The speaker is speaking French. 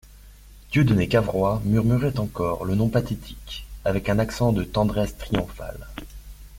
Dieudonné Cavrois murmurait encore le nom pathétique avec un accent de tendresse triomphale.